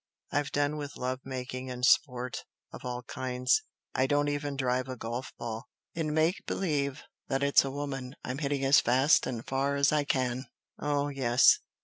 I've done with love making and 'sport' of all kinds. I don't even drive a golf ball, in make believe that it's a woman I'm hitting as fast and far as I can. Oh, yes!